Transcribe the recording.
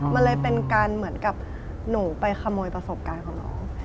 มันเลยเป็นการเหมือนกับหนูไปขโมยประสบการณ์ของน้อง